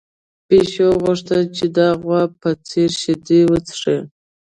پيشو غوښتل چې د غوا په څېر شیدې وڅښي.